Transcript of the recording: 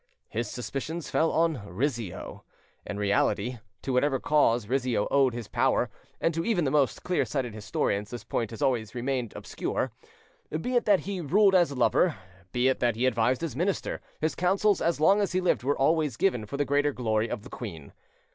His suspicions fell on Rizzio. In reality, to whatever cause Rizzio owed his power (and to even the most clear sighted historians this point has always remained obscure), be it that he ruled as lover, be it that he advised as minister, his counsels as long as he lived were always given for the greater glory of the queen.